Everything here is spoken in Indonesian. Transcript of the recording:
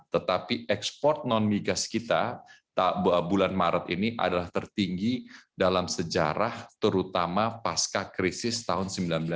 tetapi ekspor non migas kita bulan maret ini adalah tertinggi dalam sejarah terutama pasca krisis tahun seribu sembilan ratus sembilan puluh